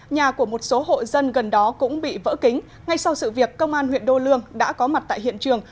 nhà của một số hộ dân gần đó cũng bị vỡ kính ngay sau sự việc công an huyện đô lương đã có mặt tại hiện trường